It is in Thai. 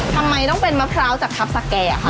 ทำไมต้องเป็นมะพร้าวจากทัพสแก่คะ